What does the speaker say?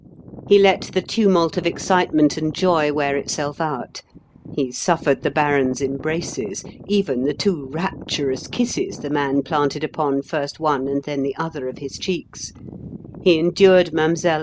He let the tumult of excitement and joy wear itself out; he suffered the baron's embraces even the two rapturous kisses the man planted upon first one and then the other of his cheeks he endured Mlle.